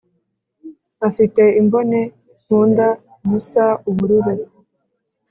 Afite imbone nkunda zisa ubururu